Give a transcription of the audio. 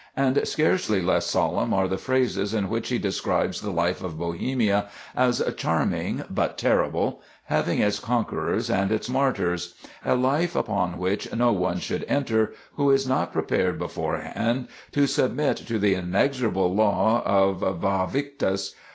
And scarcely less solemn are the phrases in which he describes the life of Bohemia as "charming but terrible, having its conquerors and its martyrs"—a life upon which no one should enter "who is not prepared beforehand to submit to the inexorable law of Væ Victis!"